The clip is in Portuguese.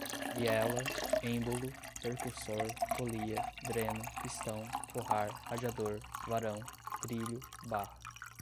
biela, êmbolo, percursor, polia, dreno, pistão, forrar, radiador, varão, trilho, barra